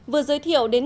vừa giới thiệu đến